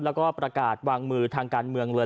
แล้วก็ประกาศวางมือทางการเมืองเลย